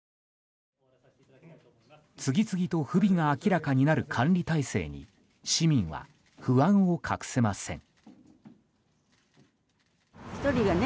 次々と不備が明らかになる管理体制に市民は不安を隠せません。